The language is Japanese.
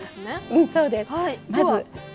うんそうです。